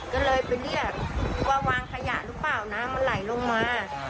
ก็เลยไปเรียกว่าวางขยะหรือเปล่าน้ำมันไหลลงมา